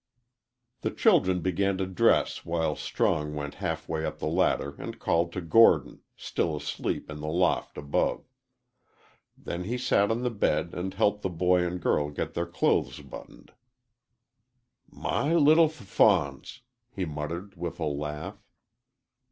The children began to dress while Strong went half way up the ladder and called to Gordon, still asleep in the loft above. Then he sat on the bed and helped the boy and girl get their clothes buttoned.. "My little f fawns!" he muttered, with a laugh.